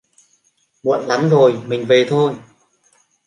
Muộn lắm rồi mình về thôi